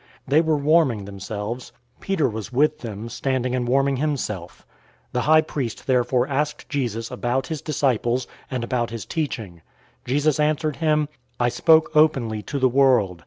They were warming themselves. Peter was with them, standing and warming himself. 018:019 The high priest therefore asked Jesus about his disciples, and about his teaching. 018:020 Jesus answered him, "I spoke openly to the world.